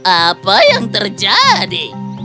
apa yang terjadi